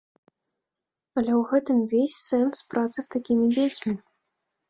Але ў гэтым увесь сэнс працы з такімі дзецьмі.